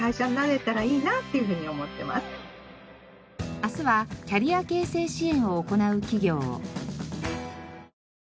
明日はキャリア形成支援を行う企業。